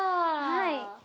はい。